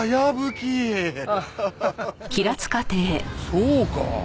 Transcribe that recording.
そうか。